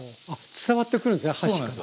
伝わってくるんですね箸から。